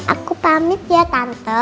aku pamit ya tante